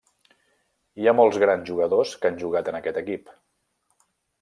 Hi ha molts grans jugadors que han jugat en aquest equip.